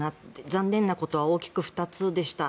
残念なことは大きく２つでした。